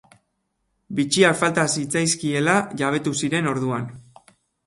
Bitxiak falta zitzaizkiela jabetu ziren orduan.